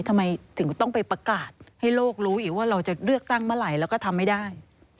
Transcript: ทำไมถึงต้องไปประกาศให้โลกรู้อีกว่าเราจะเลือกตั้งเมื่อไหร่แล้วก็ทำไม่ได้